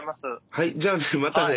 はいじゃあねまたね。